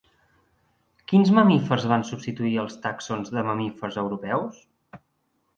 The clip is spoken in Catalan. Quins mamífers van substituir els tàxons de mamífers europeus?